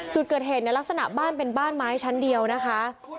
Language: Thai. จุดเกิดเหตุเนี่ยลักษณะบ้านเป็นบ้านไม้ชั้นเดียวนะคะ